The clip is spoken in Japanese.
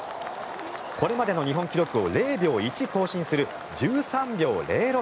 これまでの日本記録を０秒１更新する１３秒０６。